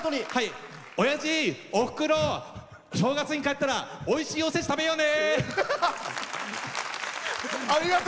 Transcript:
おやじ、おふくろ正月に帰ったらおいしいおせち食べようね！